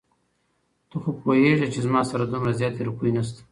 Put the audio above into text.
ته خو پوهېږې چې زما سره دومره زياتې روپۍ نشته.